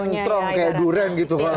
nyentrong kayak durian gitu